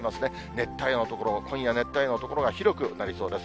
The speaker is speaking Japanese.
熱帯夜の所、今夜熱帯夜の所が広くなりそうです。